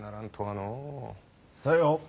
さよう。